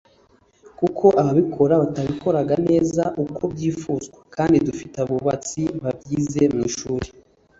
kuko ababikoraga batabikoraga neza uko byifuzwa kandi dufite abubatsi babyize mu ishuri